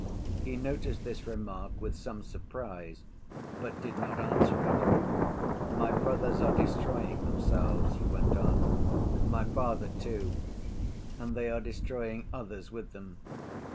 He noticed this remark with some surprise, but did not answer it. "My brothers are destroying themselves," he went on, "my father, too. And they are destroying others with them.